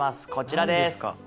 こちらです。